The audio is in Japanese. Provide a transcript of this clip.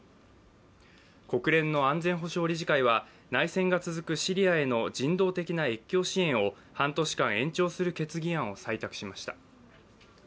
国連の安全保障理事会は内戦が続くシリアへの人道的な越境支援を半年間延長する決議案を採択しました。